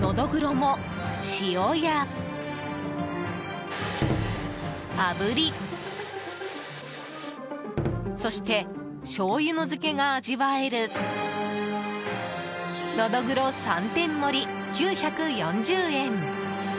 ノドグロも、塩やあぶりそして醤油の漬けが味わえるのど黒三点盛、９４０円。